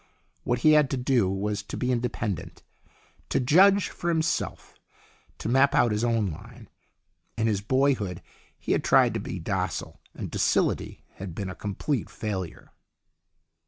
What he had to do was to be independent, to judge for himself, to map out his own line. In his boyhood he had tried to be docile, and docility had been a complete failure.